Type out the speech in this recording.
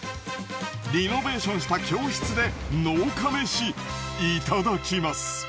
リノベーションした教室で農家メシいただきます。